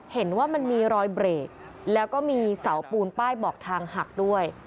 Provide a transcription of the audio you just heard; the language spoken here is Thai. เห็นว่ามันมีรอยเบรกแล้วก็มีเสาปูนป้ายบอกทางหักด้วย